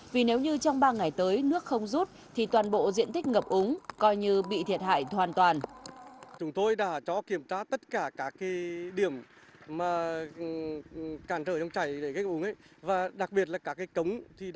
vì nếu như trong ba ngày tới nước không rút thì toàn bộ diện tích ngập úng coi như bị thiệt hại hoàn toàn